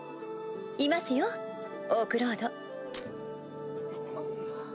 いますよオークロード。